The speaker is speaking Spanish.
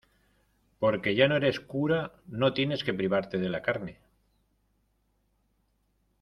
porque ya no eres cura, no tienes que privarte de la carne.